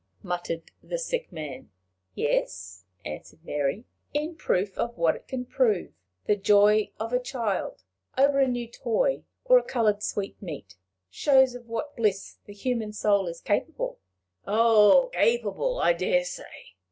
muttered the sick man. "Yes," answered Mary "in proof of what it can prove. The joy of a child over a new toy, or a colored sweetmeat, shows of what bliss the human soul is made capable." "Oh, capable, I dare say!"